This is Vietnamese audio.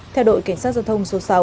theo đội cảnh sát giao thông số sáu